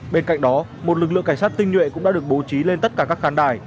bên cạnh đó một lực lượng cảnh sát tinh nhuệ cũng đã được bố trí lên tất cả các khán đài